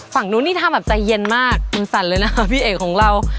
ฝั่งนู้นนี่ทำแบบใจเย็นมากมันสั่นเลยนะคะพี่เอกของเรา